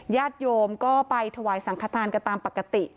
ญาติโยมก็ไปถวายสังขทานกันตามปกติ